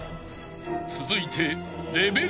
［続いて］